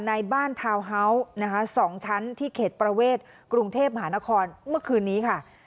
ในบ้านทาวน์เฮาส์นะคะ๒ชั้นที่เขตประเวทกรุงเทพมหานครเมื่อคืนนี้ค่ะ